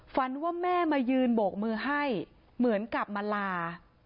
ฝันว่าแม่มายืนโบกมือให้เหมือนกลับมาลา